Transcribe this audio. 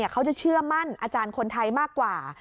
เขาจะเชื่อมั่นอาจารย์คนไทยมากกว่า